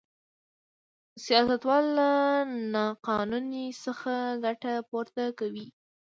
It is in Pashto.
سیاستوال له نا قانونۍ څخه ګټه پورته کوي.